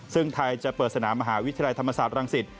ซึ่งไทยจะเปิดสนามมหาวิทยาลัยธรรมศาสตรังสิต